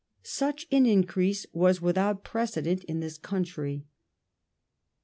Such an in crease was without precedent in this country.